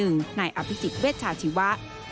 นายอภิษฎเวชาชีวะ